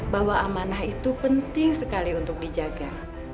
bahwa amanah itu penting sekali untuk dijaga